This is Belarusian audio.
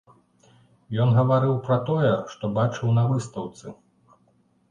Ён гаварыў пра тое, што бачыў на выстаўцы.